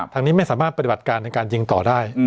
ทางนี้ไม่สามารถปฏิบัติการในการยิงต่อได้